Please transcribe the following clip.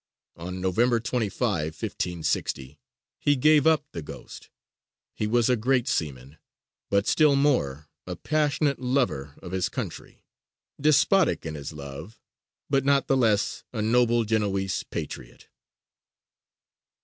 On November 25, 1560, he gave up the ghost: he was a great seaman, but still more a passionate lover of his country; despotic in his love, but not the less a noble Genoese patriot.